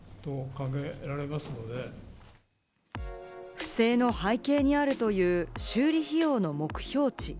不正の背景にあるという修理費用の目標値。